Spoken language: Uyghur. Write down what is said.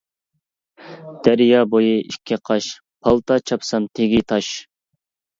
دەريا بويى ئىككى قاش، پالتا چاپسام تېگى تاش.